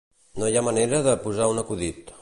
No hi ha manera de posar un acudit